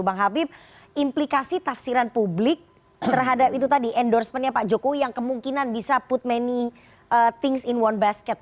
bang habib implikasi tafsiran publik terhadap itu tadi endorsementnya pak jokowi yang kemungkinan bisa put many things in one basket